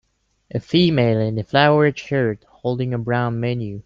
A female in a flowered shirt holding a brown menu.